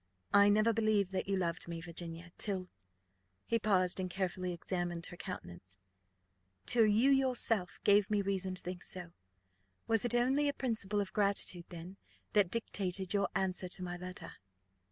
"I never believed that you loved me, Virginia, till (he paused and carefully examined her countenance) till you yourself gave me reason to think so. Was it only a principle of gratitude, then, that dictated your answer to my letter?"